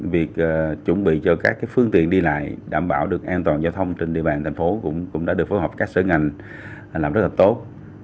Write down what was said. việc chuẩn bị cho các phương tiện đi lại đảm bảo được an toàn giao thông trên địa bàn thành phố cũng đã được phối hợp các sở ngành làm rất là tốt